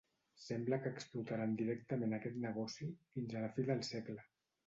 Sembla que explotaren directament aquest negoci fins a la fi del segle.